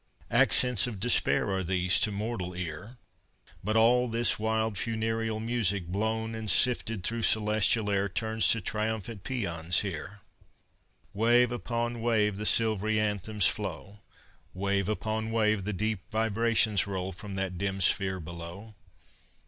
Accents of despair Are these to mortal ear; But all this wild funereal music blown And sifted through celestial air Turns to triumphal pæans here! Wave upon wave the silvery anthems flow; Wave upon wave the deep vibrations roll From that dim sphere below.